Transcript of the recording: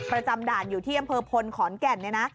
ประจำด่านอยู่ที่อำเภอพลขอนแก่นเนี่ยนะ